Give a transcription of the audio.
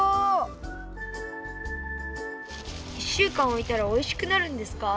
１週間おいたらおいしくなるんですか？